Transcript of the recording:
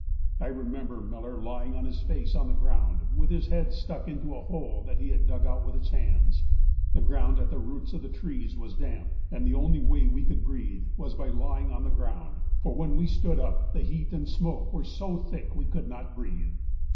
I remember Miller lying on his face on the ground with his head stuck into a hole that he had dug out with his hands. The ground at the roots of the trees was damp, and the only way we could breathe was by lying on the ground, for when we stood up the heat and smoke were so thick we could not breathe.